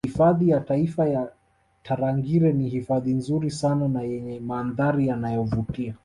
Hifadhi ya taifa ya Tarangire ni hifadhi nzuri sana na yenye mandhari yanayovutia